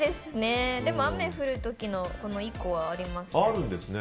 でも、雨降る時のこの１個はありますね。